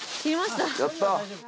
やった。